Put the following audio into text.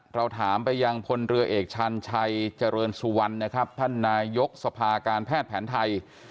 เราถามไปยังพลเรือเอกชันชัยเจริญสุวรรณนะครับท่านนายกสภาการแพทย์แผนไทย